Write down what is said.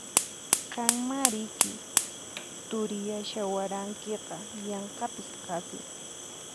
Qanmá riki turiyashawankiqa yanqapis qasi!